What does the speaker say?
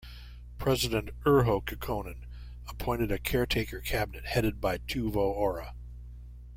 President Urho Kekkonen appointed a caretaker cabinet headed by Teuvo Aura.